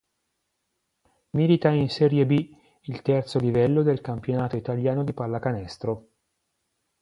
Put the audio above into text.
Milita in Serie B, il terzo livello del campionato italiano di pallacanestro.